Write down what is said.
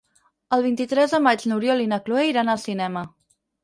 El vint-i-tres de maig n'Oriol i na Cloè iran al cinema.